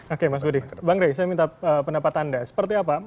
oke mas budi bang rey saya minta pendapat anda seperti apa